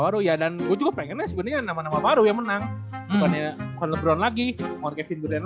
baru ya dan gue juga pengen sebenarnya nama nama baru yang menang makanya kondor lagi or kesimpulan